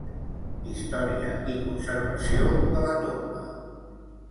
Història i conservació de la tomba.